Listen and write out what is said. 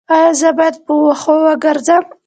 ایا زه باید په وښو وګرځم؟